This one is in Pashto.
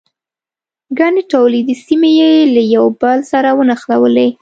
ګڼې تولیدي سیمې یې له یو بل سره ونښلولې.